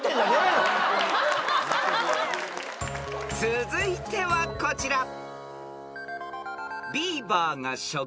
［続いてはこちら］